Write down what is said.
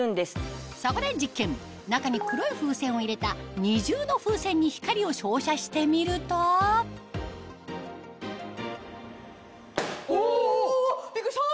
そこで実験中に黒い風船を入れた二重の風船に光を照射してみるとおビックリした！